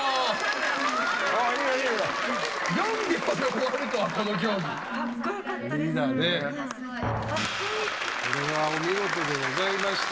これはお見事でございました。